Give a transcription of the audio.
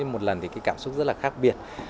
một lần thì cái cảm xúc rất là khác biệt